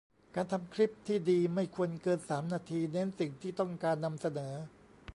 การทำคลิปที่ดีไม่ควรเกิน สาม นาทีเน้นสิ่งที่ต้องการนำเสนอ